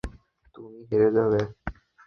তুমি হেরে যাবে।